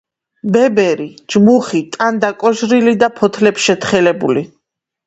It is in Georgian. ბებერი, ჯმუხი, ტანდაკოჟრილი და ფოთლებშეთხელებული